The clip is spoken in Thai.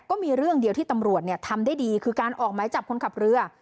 ก็มีเรื่องเดียวที่ตำรวจทำได้ดีคือการออกหมายจับคนขับเรือ